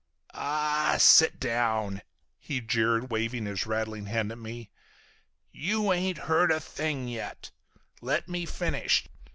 "Aw, sit down!" he jeered, waving his rattling hand at me. "You ain't heard a thing yet. Let me finish.